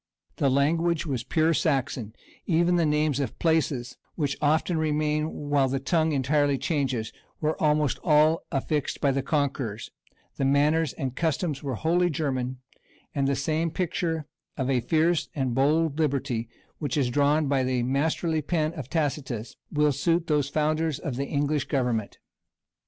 The language was pure Saxon; even the names of places, which often remain while the tongue entirely changes, were almost all affixed by the conquerors; the manners and customs were wholly German; and the same picture of a fierce and bold liberty, which is drawn by the masterly pencil of Tacitus, will suit those founders of the English government.